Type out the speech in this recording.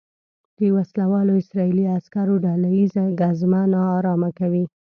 د وسلوالو اسرائیلي عسکرو ډله ییزه ګزمه نا ارامه کوي.